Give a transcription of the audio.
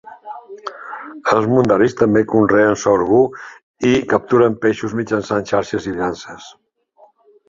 Els mundaris també conreen sorgo i capturen peixos mitjançant xarxes i llances.